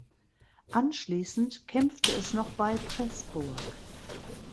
Anschließend kämpfte es noch bei Preßburg.